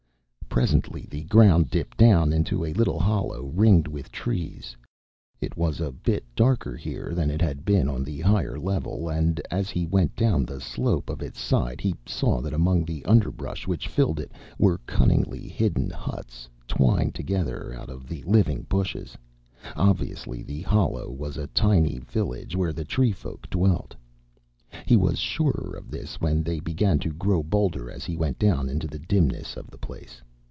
Presently the ground dipped down into a little hollow ringed with trees. It was a bit darker here than it had been on the higher level, and as he went down the slope of its side he saw that among the underbrush which filled it were cunningly hidden huts twined together out of the living bushes. Obviously the hollow was a tiny village where the tree folk dwelt. He was surer of this when they began to grow bolder as he went down into the dimness of the place.